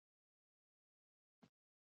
غوړې د وینې د غوړ د کمولو لپاره هم ګټورې دي.